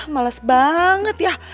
malas banget ya